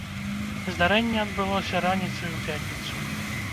Здарэнне адбылося раніцай у пятніцу.